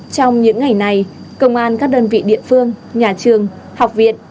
trong những ngày này công an các đơn vị địa phương nhà trường học viện